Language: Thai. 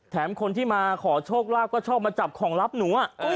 คนที่มาขอโชคลาภก็ชอบมาจับของลับหนู